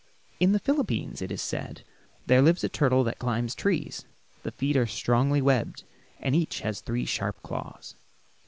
In the Philippines, it is said, there lives a turtle that climbs trees. The feet are strongly webbed, and each has three sharp claws.